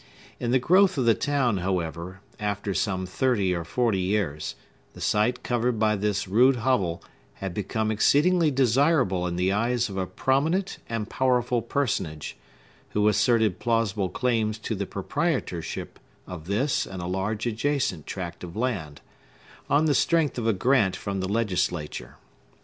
In the growth of the town, however, after some thirty or forty years, the site covered by this rude hovel had become exceedingly desirable in the eyes of a prominent and powerful personage, who asserted plausible claims to the proprietorship of this and a large adjacent tract of land, on the strength of a grant from the legislature.